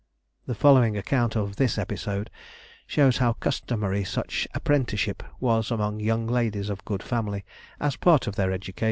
The following account of this episode shows how customary such apprenticeship was among young ladies of good family, as a part of their education:— [Sidenote: 1768.